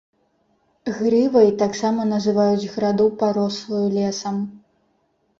Грывай таксама называюць граду, парослую лесам.